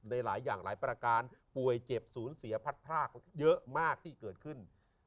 หลายอย่างหลายประการป่วยเจ็บศูนย์เสียพัดพรากเยอะมากที่เกิดขึ้น